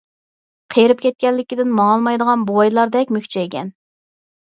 قېرىپ كەتكەنلىكىدىن ماڭالمايدىغان بوۋايلاردەك مۈكچەيگەن.